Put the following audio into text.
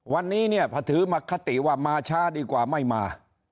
วันนี้เนี่ยพอถือมคติว่ามาช้าดีกว่าไม่มา